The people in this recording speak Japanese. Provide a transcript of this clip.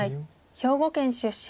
兵庫県出身。